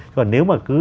còn nếu mà cứ